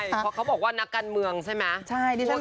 เพราะเขาบอกว่านักการเมืองใช่ไหม